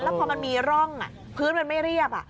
พอมันมีร่องพื้นมันไม่เรียบ